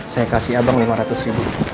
saya kasih abang lima ratus ribu